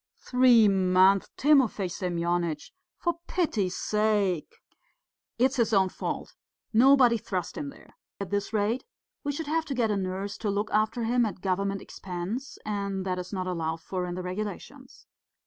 "Three months! Timofey Semyonitch, for pity's sake!" "It's his own fault. Nobody thrust him there. At this rate we should have to get a nurse to look after him at government expense, and that is not allowed for in the regulations.